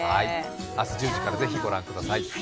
明日１０時からぜひご覧ください。